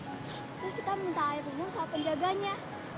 terus kita minta air minum soal penjaganya